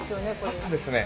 パスタですね。